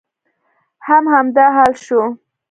هم همدا حال شو.